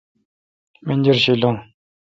منجرشی لنگ۔